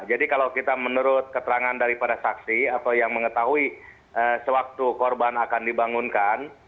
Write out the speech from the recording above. jadi kalau kita menurut keterangan daripada saksi atau yang mengetahui sewaktu korban akan dibangunkan